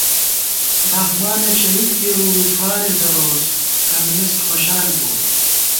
رحمانہ شہید کېرُو فارےدروس کمیونسٹ خوشال بُوَہ